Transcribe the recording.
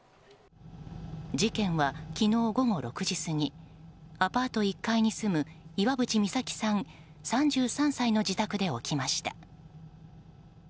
事件は昨日午後６時過ぎアパート１階に住む岩渕未咲さん、３３歳の自宅で起きました。